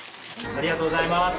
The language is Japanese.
ありがとうございます。